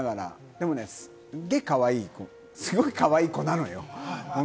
でもすげぇかわいい子、すごいかわいい子なのよ。